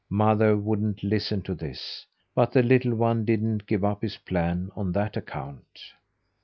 Mother wouldn't listen to this; but the little one didn't give up his plan on that account.